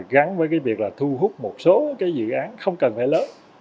gắn với việc thu hút một số dự án không cần phải lớn